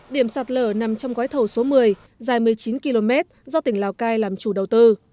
điểm sạt lở nằm trong gói thầu số một mươi dài một mươi chín km do tỉnh lào cai làm chủ đầu tư